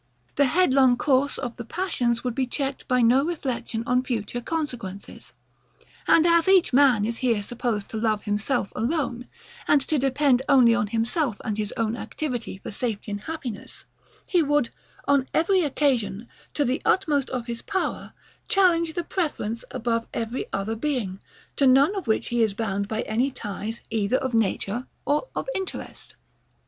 The headlong course of the passions would be checked by no reflection on future consequences. And as each man is here supposed to love himself alone, and to depend only on himself and his own activity for safety and happiness, he would, on every occasion, to the utmost of his power, challenge the preference above every other being, to none of which he is bound by any ties, either of nature or of interest.